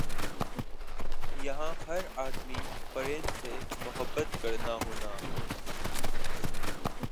یَہاں ہَر آدمی پرند سے محبت کرنا ہونا ۔